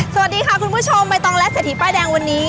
สวัสดีค่ะคุณผู้ชมไปต่อและเสถีย์ป้ายแดงวันนี้